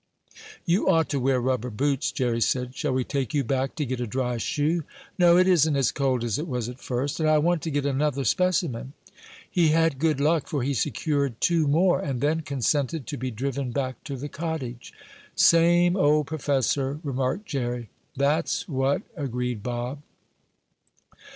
"You ought to wear rubber boots," Jerry said. "Shall we take you back to get a dry shoe?" "No, it isn't as cold as it was at first, and I want to get another specimen." He had good luck, for he secured two more, and then consented to be driven back to the cottage. "Same old professor," remarked Jerry. "That's what," agreed Bob.